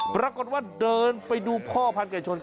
ปรากฏว่าเดินไปดูพ่อพันธุไก่ชน